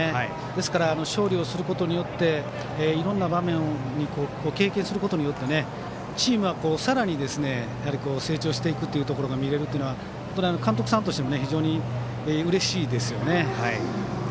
ですから、勝利をすることによりいろんな場面を経験することでチームがさらに成長していくところが見られるのは本当に監督さんとしても非常にうれしいですよね。